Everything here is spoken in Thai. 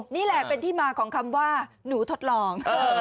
นี่แหละเป็นที่มาของคำว่าหนูทดลอง